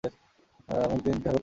আমি একদিন দেখা করিতে গিয়াছিলাম।